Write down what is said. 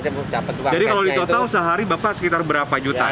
jadi kalau di total sehari bapak sekitar berapa juta